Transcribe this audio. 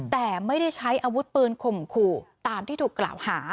แต่ไม่ได้ใช้อาวุธปืนข่มขู่ตามที่ถูกกล่าวหา